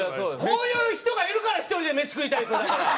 こういう人がいるから１人で飯食いたいんですよだから。